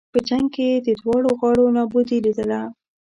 په جنګ کې یې د دواړو غاړو نابودي لېدله.